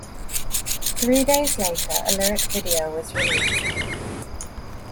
Three days later a lyric video was released.